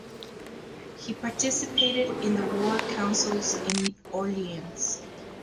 He participated in the war councils in Orleans.